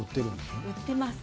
売ってます。